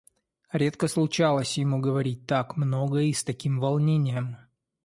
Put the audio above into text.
Редко случалось ему говорить так много и с таким волнением.